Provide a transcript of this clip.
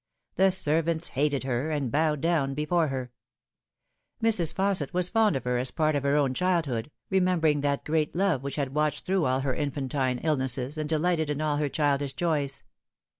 The servants hated her, and bowed down before her. Mrs. Fausset was fond of her as a part of her own childhood, remembering that great love which had watched through all her infantine illnesses and delighted in all her childish joys.